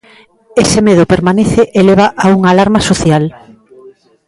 Ese medo permanece e leva a unha alarma social.